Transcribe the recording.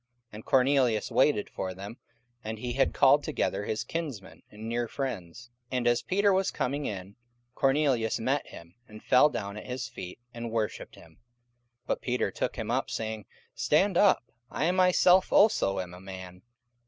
And Cornelius waited for them, and he had called together his kinsmen and near friends. 44:010:025 And as Peter was coming in, Cornelius met him, and fell down at his feet, and worshipped him. 44:010:026 But Peter took him up, saying, Stand up; I myself also am a man.